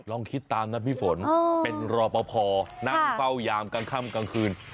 ลองคิดตามนะพี่ฝนเป็นรอปภนั่งเฝ้ายามกลางค่ำกลางคืน